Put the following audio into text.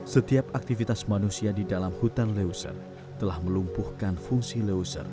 setiap aktivitas manusia di dalam hutan leuser telah melumpuhkan fungsi leuser untuk mencegah erosi